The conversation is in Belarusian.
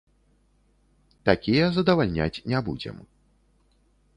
Такія задавальняць не будзем.